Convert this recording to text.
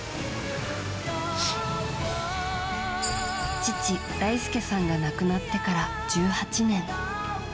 父・大輔さんが亡くなってから１８年。